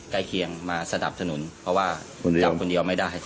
ใกล้เคียงมาสนับสนุนเพราะว่าทำคนเดียวไม่ได้